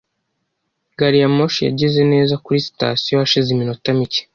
Gari ya moshi yageze neza kuri sitasiyo hashize iminota mike.